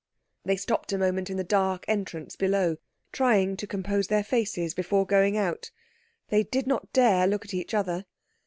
They stopped a moment in the dark entrance below, trying to compose their faces before going out. They did not dare look at each other.